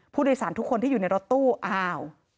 ผู้โดยสารทุกคนที่อยู่ในรถตู้อ้าว